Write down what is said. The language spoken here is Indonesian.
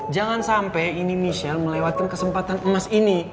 jangan sampai ini michelle melewatkan kesempatan emas ini